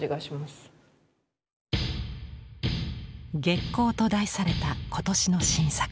「月光」と題された今年の新作。